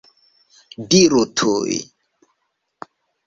Diru tuj!